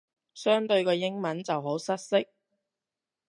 相對個英文就好失色